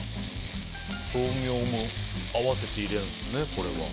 豆苗も合わせて入れるんですね。